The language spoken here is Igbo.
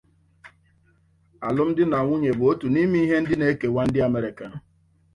Alụm di na nwanyị bụ otu n’ime ihe ndị na-ekewa ndị Amerịka